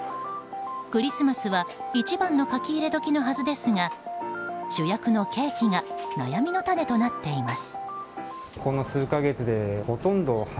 クリスマスは一番の書き入れ時のはずですが主役のケーキが悩みの種となっています。